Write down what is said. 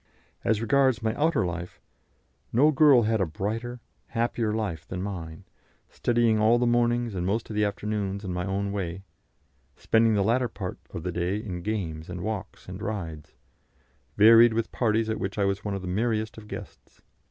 As regards my outer life, no girl had a brighter, happier life than mine; studying all the mornings and most of the afternoons in my own way, and spending the latter part of the day in games and walks and rides varied with parties at which I was one of the merriest of guests.